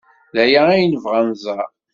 D aya ay nebɣa ad nẓer.